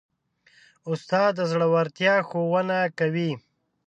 استاد د زړورتیا ښوونه کوي.